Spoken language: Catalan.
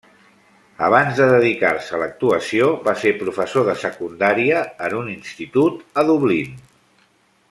Abans de dedicar-se a l'actuació va ser professor de secundària en un institut a Dublín.